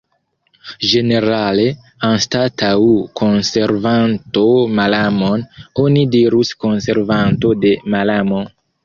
Ĝenerale, anstataŭ konservanto malamon, oni dirus konservanto de malamo.